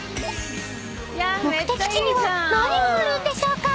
［目的地には何があるんでしょうか？］